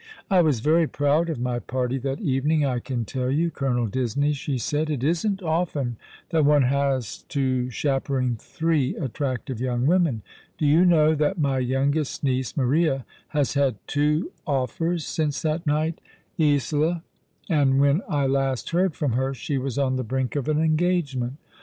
" I was very proud of my party that evening, I can tell you, Colonel Disney," she said. " It isn't often that one has to chaperon three attractive young women. Do you know that my youngest niece, Maria, has had two offers since that night, Isola, and when I last heard from her she was on the brink of an engagement?